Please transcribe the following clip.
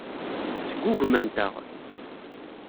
Sgugment-aɣ.